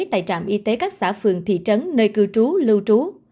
tại trạm y tế các xã phường thị trấn nơi cư trú lưu trú